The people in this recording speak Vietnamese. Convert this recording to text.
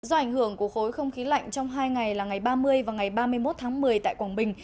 do ảnh hưởng của khối không khí lạnh trong hai ngày là ngày ba mươi và ngày ba mươi một tháng một mươi tại quảng bình